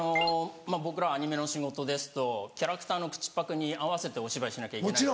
僕らアニメの仕事ですとキャラクターの口パクに合わせてお芝居しなきゃいけない。